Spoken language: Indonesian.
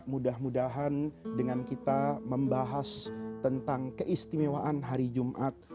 mudah mudahan dengan kita membahas tentang keistimewaan hari jumat